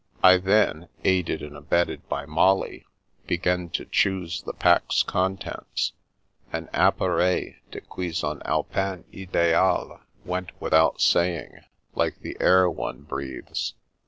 I then, aided and abetted by Molly, began to choose the pack's contents. An " Appareil de cuisson alpin. Ideal '' went with out saying, like the air one breathes.